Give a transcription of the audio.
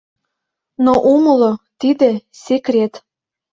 Но умыло: тиде — секрет.